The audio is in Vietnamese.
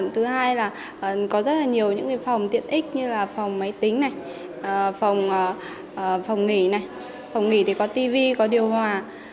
thứ hai là có rất nhiều phòng tiện ích như là phòng máy tính phòng nghỉ phòng nghỉ có tv có điều hòa